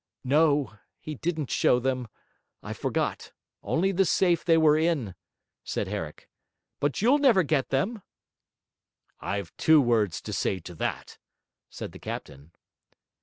'No, he didn't show them; I forgot: only the safe they were in,' said Herrick. 'But you'll never get them!' 'I've two words to say to that,' said the captain.